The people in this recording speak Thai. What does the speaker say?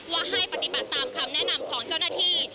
ให้ปฏิบัติตามคำแนะนำของเจ้าหน้าที่